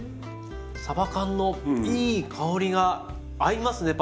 さば缶のいい香りが合いますね